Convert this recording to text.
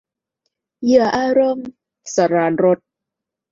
เหยื่ออารมณ์ - สราญรส